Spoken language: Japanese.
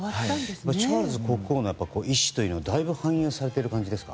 チャールズ国王の意思はだいぶ反映されている感じですか？